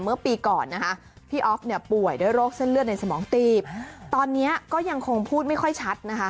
เมื่อปีก่อนนะคะพี่ออฟเนี่ยป่วยด้วยโรคเส้นเลือดในสมองตีบตอนนี้ก็ยังคงพูดไม่ค่อยชัดนะคะ